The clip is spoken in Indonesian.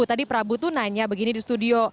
tadi prabu itu nanya begini di studio